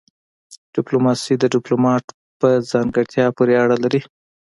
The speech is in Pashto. ډيپلوماسي د ډيپلومات په ځانګړتيا پوري اړه لري.